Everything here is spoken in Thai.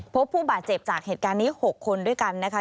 พบผู้บาดเจ็บจากเหตุการณ์นี้๖คนด้วยกันนะคะ